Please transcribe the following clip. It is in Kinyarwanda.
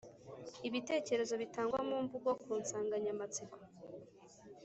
ibitekerezo bitangwa mu mvugo ku nsanganyamatsiko